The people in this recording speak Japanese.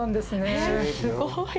えすごい。